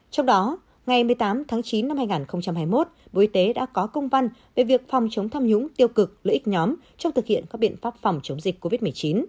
trong đó ngày một mươi tám tháng chín năm hai nghìn hai mươi một bộ y tế đã có công văn về việc phòng chống tham nhũng tiêu cực lợi ích nhóm trong thực hiện các biện pháp phòng chống dịch covid một mươi chín